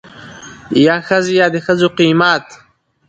يا ښځې يا دښځو قيمت.